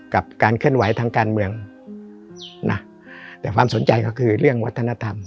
กับการเคลื่อนไหวทางการเมืองนะแต่ความสนใจก็คือเรื่องวัฒนธรรม